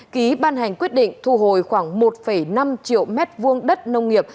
ký ban hành quyết định thu hồi khoảng một năm triệu mét vuông đất nông nghiệp